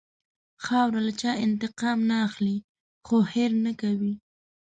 خاوره له چا انتقام نه اخلي، خو هېر نه کوي.